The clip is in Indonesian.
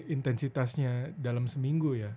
intensitasnya dalam seminggu ya